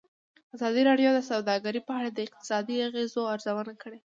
ازادي راډیو د سوداګري په اړه د اقتصادي اغېزو ارزونه کړې.